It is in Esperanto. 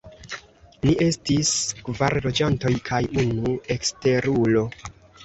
Ni estis kvar loĝantoj kaj unu eksterulo.